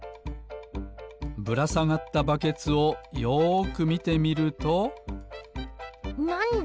ぶらさがったバケツをよくみてみるとなんだ？